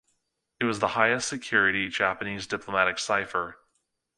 It was the highest security Japanese diplomatic cipher.